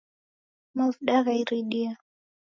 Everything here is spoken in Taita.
Mavuda gha iridia